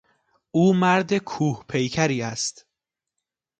او مرد کوه پیکری است.